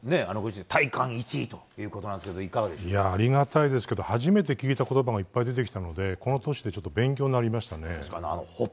体感１位ということですがありがたいですけど初めて聞いた言葉がいっぱい出てきたのでこの年で勉強になりましたね。